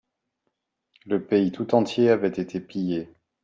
Le pays tout entier avait été pillé.